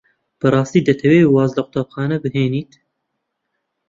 بەڕاستی دەتەوێت واز لە قوتابخانە بهێنیت؟